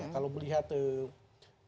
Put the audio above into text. kalau melihat cerita ini